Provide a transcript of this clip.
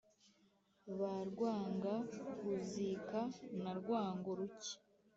ba rwanga-kuzika* na rwango-ruke